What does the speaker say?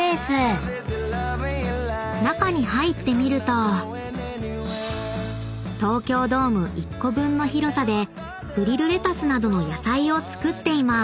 ［中に入ってみると東京ドーム１個分の広さでフリルレタスなどの野菜を作っています］